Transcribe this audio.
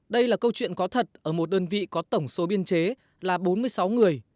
đây là câu chuyện có thật ở một đơn vị có tổng số biên chế là bốn mươi sáu người